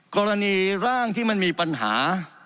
กรณีร่างที่มันมีปัญหา